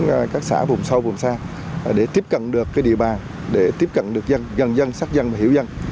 công an xã vùng sâu vùng xa để tiếp cận được cái địa bàn để tiếp cận được dân dân dân sát dân hiểu dân